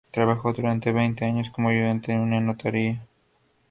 Trabajó durante veinte años como ayudante en una notaría.